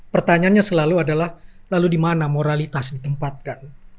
pertanyaannya selalu adalah lalu di mana moralitas ditempatkan